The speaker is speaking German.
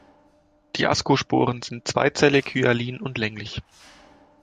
Die Ascosporen sind zweizellig, hyalin und länglich.